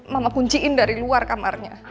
mama kunciin dari luar kamarnya